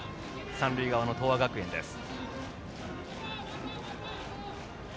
三塁側の東亜学園です。